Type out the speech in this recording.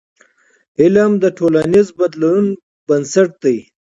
علم د ټولنیز بدلون بنسټ دی.